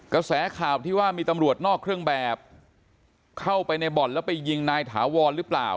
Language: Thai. กระแสข่าวที่ว่ามีตำรวจนอกเครื่องแบบเข้าไปในบ่อนแล้วไปยิงนายถาวรหรือเปล่า